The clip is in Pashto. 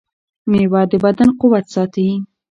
مېوه د بدن قوت ساتي.